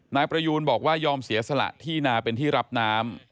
นายประยูนบอกว่ายอมเสียสละที่นาเป็นที่รับน้ำ